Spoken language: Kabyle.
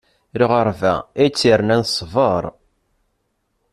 Lɣeṛba, ay tt-irnan, d ṣṣbeṛ.